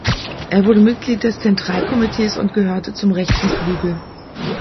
Er wurde Mitglied des Zentralkomitees und gehörte zum rechten Flügel.